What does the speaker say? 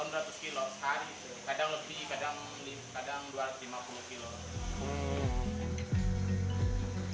kadang lebih kadang dua ratus lima puluh kilo